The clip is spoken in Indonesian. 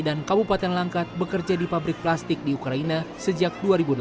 dan kabupaten langkat bekerja di pabrik plastik di ukraina sejak dua ribu delapan belas